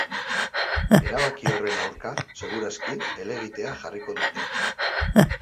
Erabaki horren aurka, segur aski, helegitea jarriko dute.